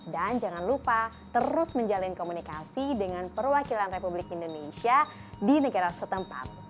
dan jangan lupa terus menjalin komunikasi dengan perwakilan republik indonesia di negara setempat